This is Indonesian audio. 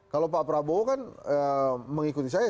kalau pak prabowo kan mengikuti saya